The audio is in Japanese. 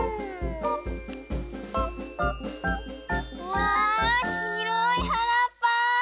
わあひろいはらっぱ。